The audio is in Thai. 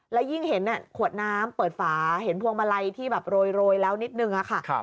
แล้วยิ่งเห็นขวดน้ำเปิดฝาเห็นพวงมาลัยที่แบบโรยแล้วนิดนึงค่ะ